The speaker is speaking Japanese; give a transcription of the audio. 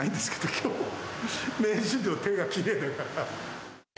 きょうは、名人の手がきれいだから。